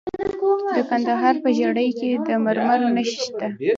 د کندهار په ژیړۍ کې د مرمرو نښې شته.